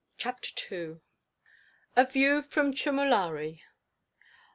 CHAPTER TWO. A VIEW FROM CHUMULARI.